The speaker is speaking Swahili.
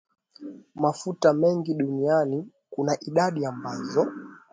mafuta mengi duniani kuna idadi ambazo